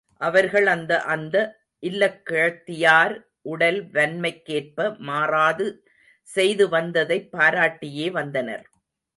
அவர்கள் அந்த அந்த இல்லக்கிழத்தியார் உடல் வன்மைக்கேற்ப மாறாது செய்து வந்ததைப் பாராட்டியே வந்தனர்.